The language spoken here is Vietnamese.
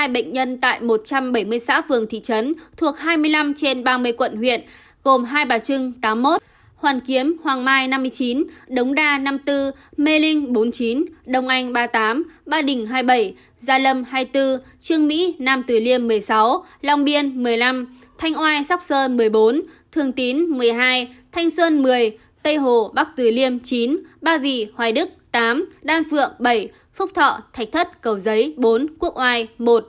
năm trăm bốn mươi hai bệnh nhân tại một trăm bảy mươi xã phường thị trấn thuộc hai mươi năm trên ba mươi quận huyện gồm hai bà trưng tám mươi một hoàn kiếm hoàng mai năm mươi chín đống đa năm mươi bốn mê linh bốn mươi chín đồng anh ba mươi tám ba đình hai mươi bảy gia lâm hai mươi bốn trương mỹ nam tử liêm một mươi sáu long biên một mươi năm thanh oai sóc sơn một mươi bốn thường tín một mươi hai thanh xuân một mươi tây hồ bắc tử liêm chín ba vị hoài đức tám đan phượng bảy phúc thọ thạch thất cầu giấy bốn quốc oai